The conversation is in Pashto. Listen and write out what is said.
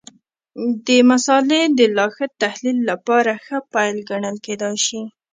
د مسألې د لا ښه تحلیل لپاره ښه پیل ګڼل کېدای شي.